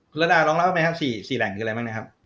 คุณระดาลองเล่าไหมครับ๔แหล่งคืออะไรบ้างนะครับ